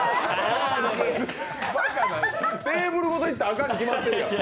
テーブルごといったらあかんに決まってるやん。